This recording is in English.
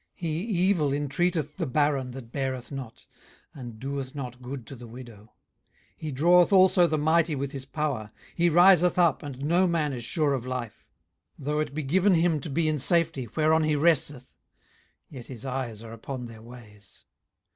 18:024:021 He evil entreateth the barren that beareth not: and doeth not good to the widow. 18:024:022 He draweth also the mighty with his power: he riseth up, and no man is sure of life. 18:024:023 Though it be given him to be in safety, whereon he resteth; yet his eyes are upon their ways.